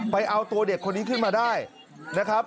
ไปเอาตัวเด็กคนนี้ขึ้นมาได้นะครับ